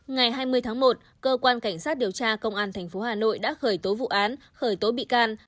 ngày hai mươi tháng một cơ quan cảnh sát điều tra công an tp hà nội đã khởi tố vụ án khởi tố bị can